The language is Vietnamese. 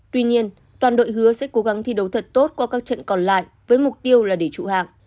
tuy nhiên toàn đội hứa sẽ cố gắng thi đấu thật tốt qua các trận còn lại với mục tiêu là để trụ hạng